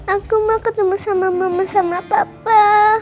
aku mau ketemu sama mama sama papa